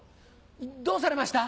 どうされました？